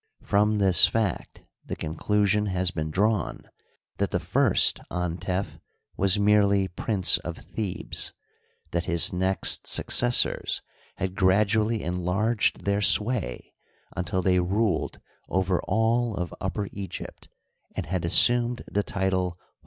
From this fact the conclusion has been drawn that the first Antef was merely Prince of Thebes ; that his next successors had gradually enlarged their sway until they 5 Digitized by Google 48 HISTORY OF EGYPT, ruled over all of Upper Egypt and had assumed the title ^